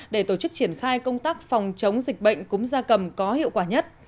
để tổ chức triển khai công tác phòng chống dịch bệnh cúm da cầm có hiệu quả nhất